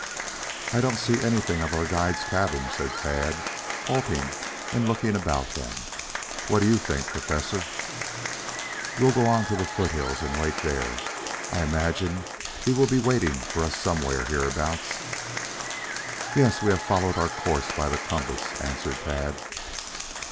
"I don't see anything of our guide's cabin," said Tad, halting and looking about them. "What do you think, Professor!" "We will go on to the foothills and wait there. I imagine he will be waiting for us somewhere hereabouts." "Yes, we have followed our course by the compass," answered Tad.